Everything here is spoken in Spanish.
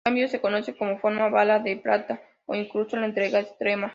En cambio, se conoce como "forma", "bala de plata", o incluso "la entrega externa".